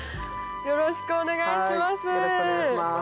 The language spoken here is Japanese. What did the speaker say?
よろしくお願いします。